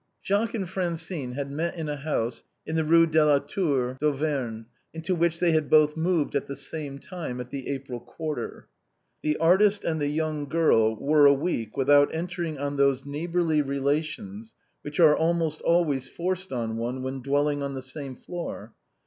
Jacques and Francine had met in a house in the Eue de la Tour d'Auvergne, into which they had both moved at the same time at the April quarter. The artist and the young girl were a week without entering on those neighborly relations which are almost always forced on one when dwelling on the same floor.